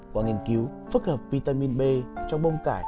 qua nghiên cứu phức hợp vitamin b cho bông cải